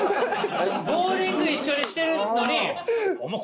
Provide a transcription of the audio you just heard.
ボウリング一緒にしてるのにお前